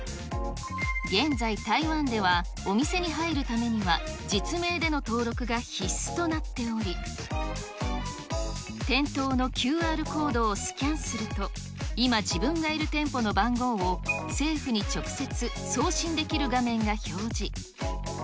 現在、台湾ではお店に入るためには実名での登録が必須となっており、店頭のＱＲコードをスキャンすると、今、自分がいる店舗の番号を政府に直接、送信できる画面が表示。